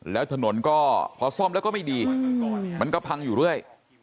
แล้วถนนก็พอซ่อมแล้วก็ไม่ดีมันก็พังอยู่เรื่อย